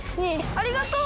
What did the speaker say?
ありがとう。